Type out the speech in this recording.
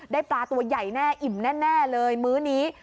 ได้ปลาตัวใหญ่แน่อิ่มแน่เลยมื้อนี้